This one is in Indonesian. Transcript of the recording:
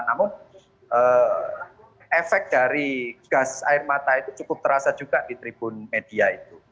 namun efek dari gas air mata itu cukup terasa juga di tribun media itu